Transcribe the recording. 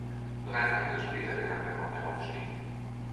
Bereits ein Jahr später gelang dann auch der Aufstieg.